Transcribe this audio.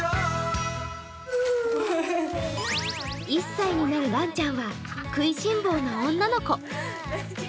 １歳になる、らんちゃんは食いしん坊の女の子。